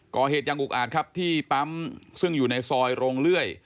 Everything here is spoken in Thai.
ก่อเหตุอย่างอุกอาจครับที่ปั๊มซึ่งอยู่ในซอยโรงเลื่อย